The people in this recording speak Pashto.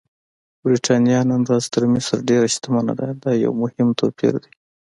برېټانیا نن ورځ تر مصر ډېره شتمنه ده، دا یو مهم توپیر دی.